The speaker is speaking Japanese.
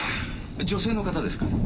女性の方ですか？